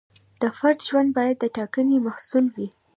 د فرد ژوند باید د ټاکنې محصول وي.